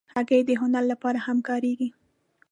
هګۍ د هنر لپاره هم کارېږي.